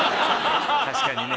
確かにね。